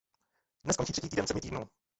Dnes končí třetí týden sedmi týdnů.